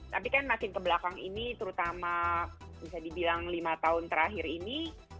tapi kan makin kebelakang ini terutama bisa dibilang lima tahun terakhir ini